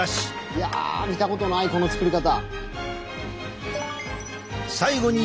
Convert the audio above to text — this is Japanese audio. いや見たことないこの作り方！